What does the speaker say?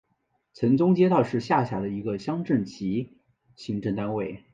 城中街道是下辖的一个乡镇级行政单位。